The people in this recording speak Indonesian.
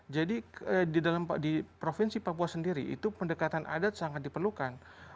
jadi di provinsi papua sendiri itu pendekatan adat sangat diperlukan